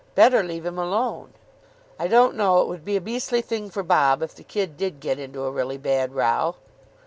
Better leave him alone." "I don't know. It would be a beastly thing for Bob if the kid did get into a really bad row."